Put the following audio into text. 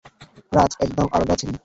রাজ একদম আলাদা ছেলে।